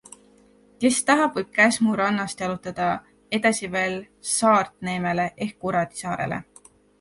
Kes tahab, võib Käsmu rannast jalutada edasi veel Saartneemele ehk Kuradisaarele.